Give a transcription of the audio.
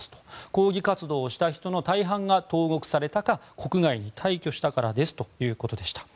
抗議活動をした人の大半が投獄されたか国外に退去したからですということでした。